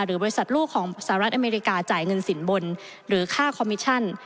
บริษัทลูกของสหรัฐอเมริกาจ่ายเงินสินบนหรือค่าคอมมิชชั่น